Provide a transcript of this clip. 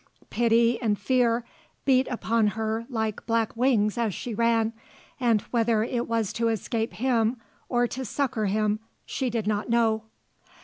Pity and fear beat upon her like black wings as she ran, and whether it was to escape him or to succour him she did not know.